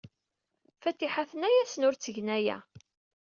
Fatiḥa tenna-asen ur ttgen aya.